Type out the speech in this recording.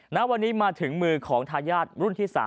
ณวันนี้มาถึงมือของทายาทรุ่นที่๓